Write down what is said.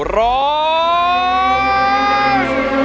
ร้อย